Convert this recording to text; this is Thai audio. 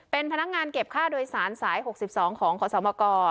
เป็นพนักงานเก็บค่าโดยสารสาย๖๒ของขอสมก